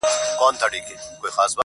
لږ وزړه ته مي ارام او سکون غواړم-